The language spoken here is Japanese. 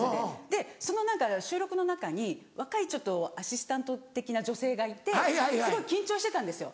でその何か収録の中に若いちょっとアシスタント的な女性がいてすごい緊張してたんですよ